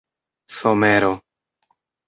somero